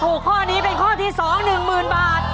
ถูกข้อนี้เป็นข้อที่๒หนึ่งหมื่นบาท